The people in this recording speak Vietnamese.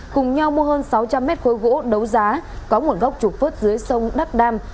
cùng nhau mua hơn sáu trăm linh m khối gỗ đấu giá có nguồn gốc trục phớt dưới sông đắk đam